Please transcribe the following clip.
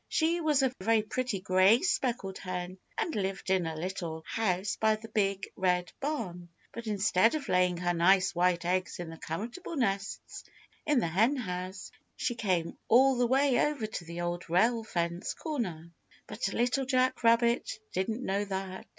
She was a very pretty gray speckled hen and lived in a little house by the Big Red Barn. But instead of laying her nice white eggs in the comfortable nests in the Henhouse, she came all the way over to the Old Rail Fence Corner. But Little Jack Rabbit didn't know that.